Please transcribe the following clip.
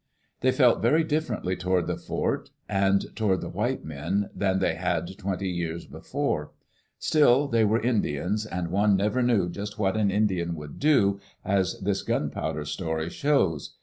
They felt very differently toward the fort and toward the white men than they had twenty years before. Still, they were Indians, and one never knew just what an Indian would do, as this gunpowder story shows.